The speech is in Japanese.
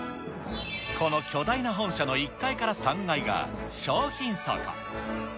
この巨大な本社の１階から３階が商品倉庫。